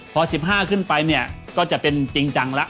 พอ๑๕ขึ้นไปเนี่ยก็จะเป็นจริงจังแล้ว